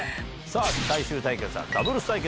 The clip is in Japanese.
最終対決はダブルス対決。